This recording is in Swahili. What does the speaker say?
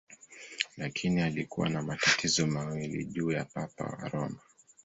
Lakini alikuwa na matatizo mawili juu ya Papa wa Roma.